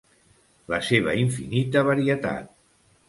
La seva infinita varietat